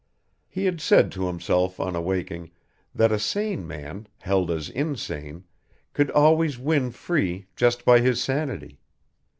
He had said to himself on awaking, that a sane man, held as insane, could always win free just by his sanity.